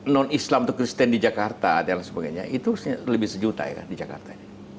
non islam atau kristen di jakarta dan sebagainya itu lebih sejuta ya kan di jakarta